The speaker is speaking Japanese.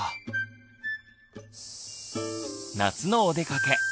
夏のおでかけ。